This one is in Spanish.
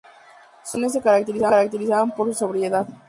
Sus actuaciones se caracterizaban por su sobriedad.